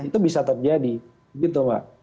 itu bisa terjadi gitu mbak